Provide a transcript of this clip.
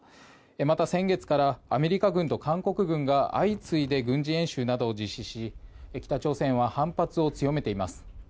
また、先月からアメリカ軍と韓国軍が相次いで軍事演習などを実施し北朝鮮は反発を強めています。